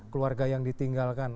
keluarga yang ditinggalkan